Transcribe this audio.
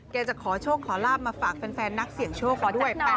จะขอโชคขอลาบมาฝากแฟนนักเสี่ยงโชคมาด้วย